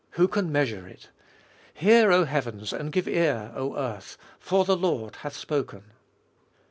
who can measure it? "Hear! O heavens, and give ear! O earth, for the Lord hath spoken."